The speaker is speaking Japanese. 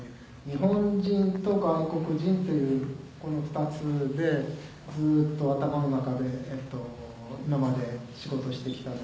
日本人と外国人っていうこの２つでずっと頭の中で今まで仕事してきたので。